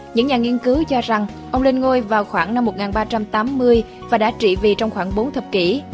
những nhà nghiên cứu cho rằng ông lên ngôi vào khoảng năm một nghìn ba trăm tám mươi và đã trị vị trong khoảng bốn thập kỷ